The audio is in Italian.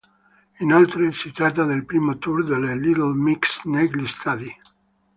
Inoltre, si tratta del primo tour delle Little Mix negli stadi.